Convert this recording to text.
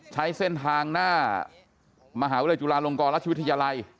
ใช้เส้นทางหน้ามหาวิทยาลงกรราชวิทยาลัย